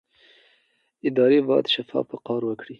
ادارې باید شفاف کار وکړي